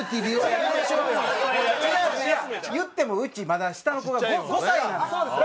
いやいってもうちまだ下の子が５歳なのよ。